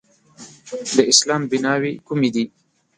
د اسلام بیناوې کومې دي؟